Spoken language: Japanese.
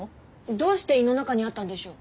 どうして胃の中にあったんでしょう？